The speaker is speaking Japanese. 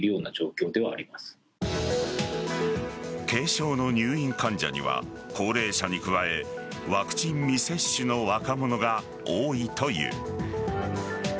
軽症の入院患者には高齢者に加えワクチン未接種の若者が多いという。